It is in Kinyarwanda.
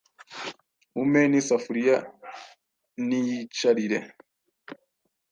umpe n’isafuriya niyicarire